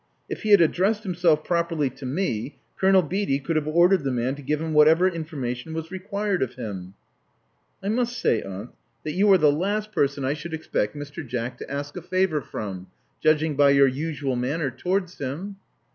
If he had addressed himself properly to me, Colonel Beatty could have ordered the man to give him whatever information was required of him." I must say, aunt, that you are the last person I Love Among the Artists 37 should expect Mr. Jack to ask a favor from, judging by your usual manner towards him.